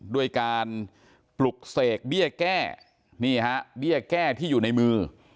ด้วยการปลุกเสกเบี้ยแก้นี่ฮะเบี้ยแก้ที่อยู่ในมือ